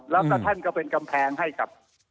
แล้วก็ท่านก็เป็นกำแพงให้กับ